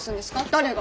誰が？